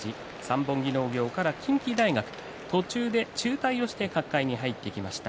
三本木農業から近畿大学途中で中退して角界に入っていきました。